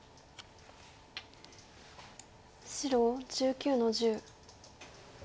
白１９の十。